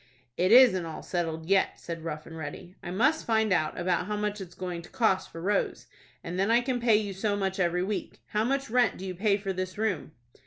"It isn't all settled yet," said Rough and Ready. "I must find out about how much it's going to cost for Rose, and then I can pay you so much every week. How much rent do you pay for this room?"